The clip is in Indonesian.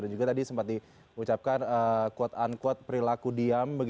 juga tadi sempat diucapkan quote unquote perilaku diam